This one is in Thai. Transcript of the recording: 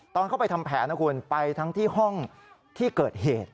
ตอนเข้าไปทำแผนนะคุณไปทั้งที่ห้องที่เกิดเหตุ